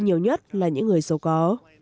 nhiều nhất là những người giàu có